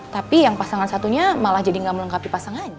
tapi yang pasangan satunya malah jadi nggak melengkapi pasangannya